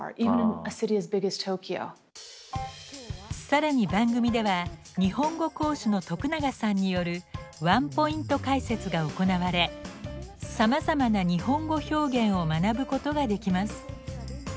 更に番組では日本語講師の徳永さんによるワンポイント解説が行われさまざまな日本語表現を学ぶことができます。